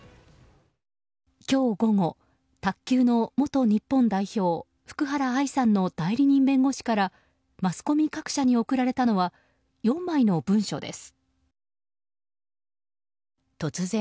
今日午後、卓球の元日本代表、福原愛さんの代理人弁護士からマスコミ各社に送られたのは４枚の文書です。